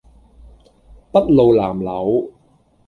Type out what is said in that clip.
篳路藍縷